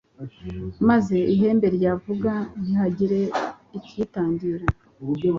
maze ihembe ryavuga ntihagire ikiyitangira